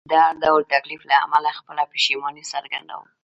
د هر ډول تکلیف له امله خپله پښیماني څرګندوم.